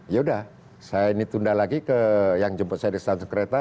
ya udah saya ini tunda lagi ke yang jemput saya di satu kereta